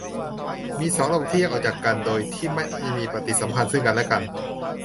มีสองระบบ ที่แยกออกจากกัน โดยที่ไม่มีปฏิสัมพันธ์ซึ่งกันและกัน